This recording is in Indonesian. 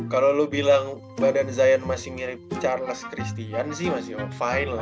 kalo lu bilang badan zion masih ngirip charles christian sih masih fine lah